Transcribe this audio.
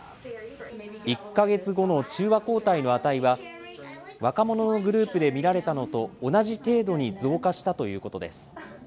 １か月後の中和抗体の値は、若者のグループで見られたのと同じ程度に増加したということです。